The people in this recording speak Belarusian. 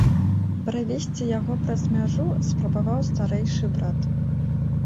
Правесці яго праз мяжу спрабаваў старэйшы брат.